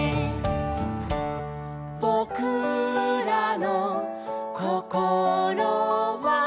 「ボクらのこころは」